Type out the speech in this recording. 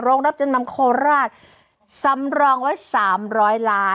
โรงรับจัดมันโคราชสำรองไว้สามร้อยล้าน